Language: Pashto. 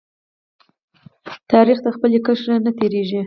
تاریخ د خپل کرښې نه تیریږي.